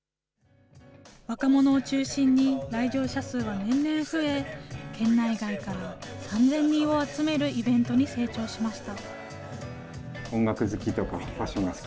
若者を中心に来場者数は年々増え、県内外から３０００人を集めるイベントに成長しました。